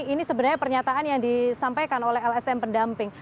ini sebenarnya pernyataan yang disampaikan oleh lsm pendamping